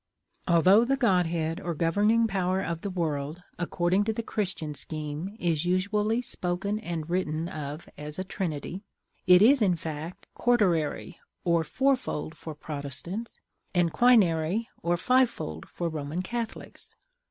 Although the Godhead or governing power of the world, according to the Christian scheme, is usually spoken and written of as a trinity, it is, in fact, quarterary or fourfold for Protestants, and quinary or fivefold for Roman Catholics.